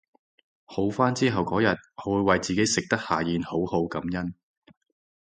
好返之後嗰日我會為自己食得下嚥好好感恩